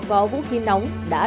có vũ khí nóng đã đồn xa